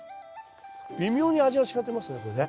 微妙に味が違ってますねこれね。